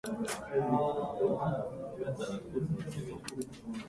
つつ